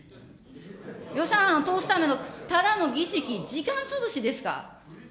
予算案通すためのただの審議、時間つぶしですか。